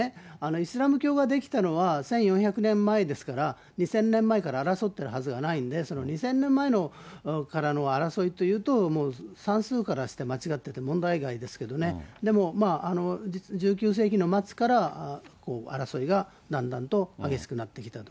イスラム教ができたのは、１４００年前ですから、２０００年前から争っているはずはないんで、２０００年前からの争いというと、算数からして間違ってて、問題外ですけどね、１９世紀の末から争いがだんだんと激しくなってきたと。